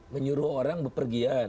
menyuruh orang berpergian